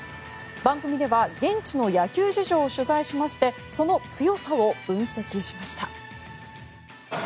番組では現地の野球事情を取材しましてその強さを分析しました。